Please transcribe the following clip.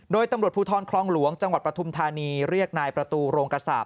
โดยตำรวจผู้ทรครองหลวงจังหวัดพระทุมธารณีเรียกนายประตูโรงกษาบ